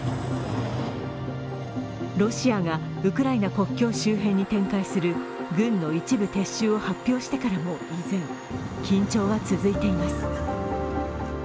ロシアがウクライナ国境周辺に展開する軍の一部撤収を発表してからも依然、緊張は続いています。